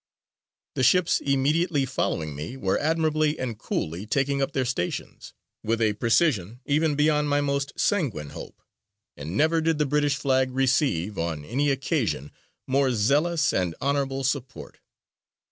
]. The ships immediately following me were admirably and coolly taking up their stations, with a precision even beyond my most sanguine hope; and never did the British flag receive, on any occasion, more zealous and honourable support.